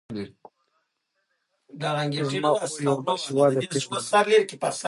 زما خور يوه باسواده پېغله ده